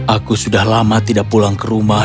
aku sudah lama tidak pulang ke rumah